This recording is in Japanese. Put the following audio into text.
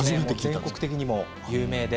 全国的にも有名で。